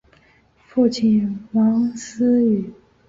祖父王思与。